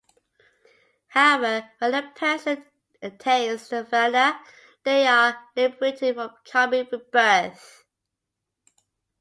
However, when a person attains nirvana, they are liberated from karmic rebirth.